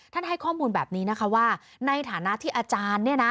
ท่านให้ข้อมูลแบบนี้นะคะว่าในฐานะที่อาจารย์